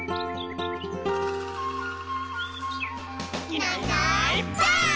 「いないいないばあっ！」